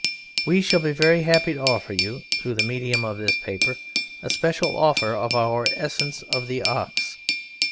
We shall be very happy to offer you, through the medium of this paper, a special offer of our Essence of The Ox.